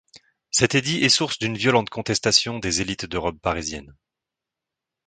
Cet édit est source d'une violente contestation des élites de robe parisiennes.